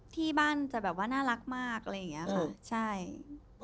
ที่บ้านจะแบบว่าน่ารักมากอะไรอย่างนี้ค่ะใช่